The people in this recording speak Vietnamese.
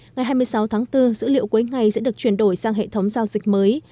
ngày hai mươi sáu tháng bốn dữ liệu cuối ngày sẽ được chuyển đổi sang hệ thống giao dịch mới